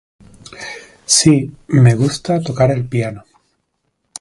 Sí, me gusta tocar el piano.